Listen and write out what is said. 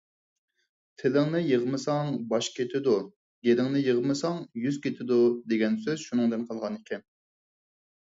«تىلىڭنى يىغمىساڭ، باش كېتىدۇ. گېلىڭنى يىغمىساڭ، يۈز كېتىدۇ» دېگەن سۆز شۇنىڭدىن قالغان ئىكەن.